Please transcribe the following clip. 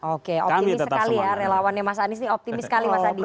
oke optimis sekali ya relawannya mas anies ini optimis sekali mas adi